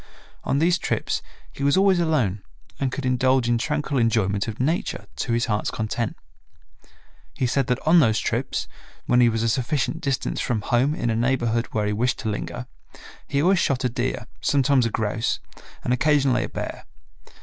On these trips he was always alone and could indulge in tranquil enjoyment of Nature to his heart's content. He said that on those trips, when he was a sufficient distance from home in a neighborhood where he wished to linger, he always shot a deer, sometimes a grouse, and occasionally a bear.